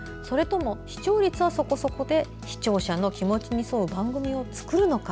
視聴率はそこそこで、視聴者の気持ちに沿う番組を作るのか？